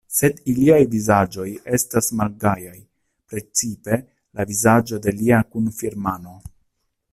Sed iliaj vizaĝoj estas malgajaj, precipe la vizaĝo de lia kunfirmano.